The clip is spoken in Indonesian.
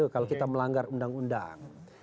kalau kita melanggar undang undang